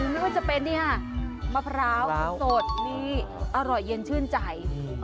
ไม่ว่าจะเป็นนี่ค่ะมะพร้าวสดนี่อร่อยเย็นชื่นใจ